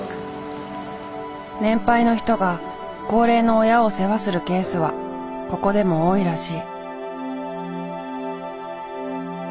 年配の人が高齢の親を世話するケースはここでも多いらしい。